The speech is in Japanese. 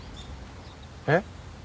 えっ？